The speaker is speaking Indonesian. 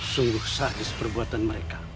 sungguh sahdis perbuatan mereka